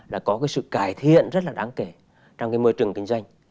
đã có cái sự cải thiện rất là đáng kể trong cái môi trường kinh doanh